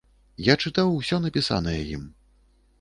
Я чытаў усё напісанае ім.